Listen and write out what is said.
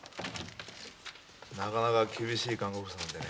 なかなか厳しい看護婦さんでね。